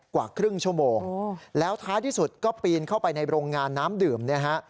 กว่าครึ่งชั่วโมงแล้วท้ายที่สุดก็ปีนเข้าไปในโรงงานน้ำดื่มเนี่ยฮะ